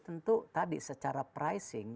tentu tadi secara pricing